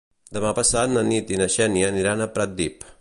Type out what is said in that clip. Demà passat na Nit i na Xènia aniran a Pratdip.